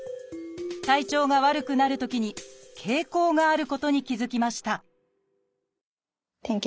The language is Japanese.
体調が悪くなるときに傾向があることに気付きました